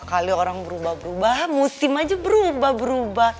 kali orang berubah berubah musim aja berubah berubah